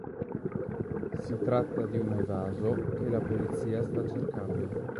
Si tratta di un evaso che la polizia sta cercando.